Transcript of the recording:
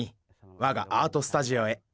わがアート・スタジオへ。